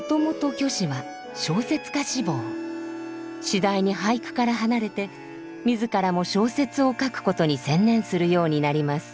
次第に俳句から離れて自らも小説を書くことに専念するようになります。